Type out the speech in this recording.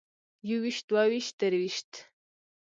يوويشت دوويشت درويشت